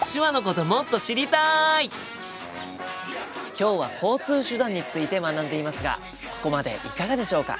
今日は交通手段について学んでいますがここまでいかがでしょうか？